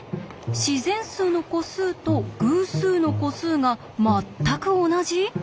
自然数の個数と偶数の個数がまったく同じ！？